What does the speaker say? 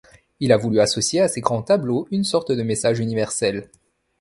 Il a voulu associer à ses grands tableaux une sorte de message universel.